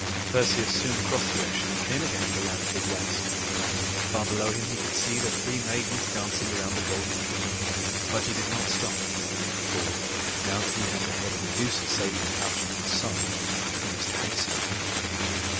Perseus soon crossed the ocean and came again to the Land of the West. Far below him he could see the three Maidens dancing around the golden tree; but he did not stop, for, now that he had the head of Medusa safe in the pouch at his side, he must hasten home.